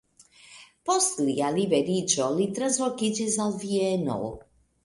Post lia liberiĝo li translokiĝis al Vieno.